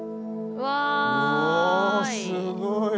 うわすごい。